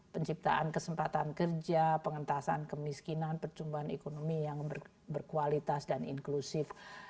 penciptaan kesempatan kerja pengentasan kemiskinan percumbahan ekonomi yang berkualitas dan inklusif